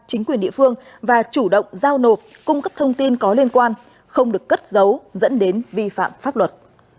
hệ phương và chủ động giao nộp cung cấp thông tin có liên quan không được cất giấu dẫn đến vi phạm pháp luật